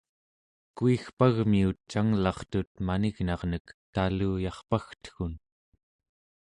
kuigpagmiut canglartut manignarnek taluyarpagteggun